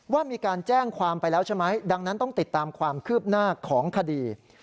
ว่ามีการแจ้งความไปแล้วใช่ไหมดังนั้นต้องติดตามความคืบหน้าของคดี